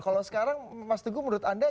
kalau sekarang mas teguh menurut anda